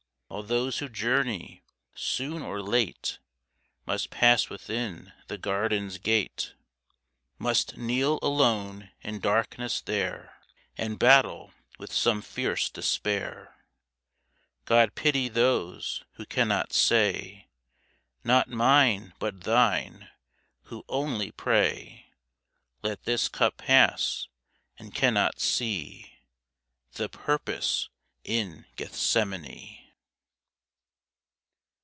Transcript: All those who journey, soon or late, Must pass within the garden's gate; Must kneel alone in darkness there, And battle with some fierce despair. God pity those who cannot say, "Not mine but Thine"; who only pray "Let this cup pass," and cannot see The purpose in Gethsemane.